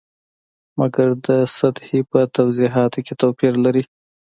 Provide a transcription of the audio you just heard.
مګر د سطحې په توضیحاتو کې توپیر لري.